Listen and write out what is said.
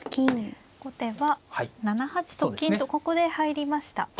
後手は７八と金とここで入りました。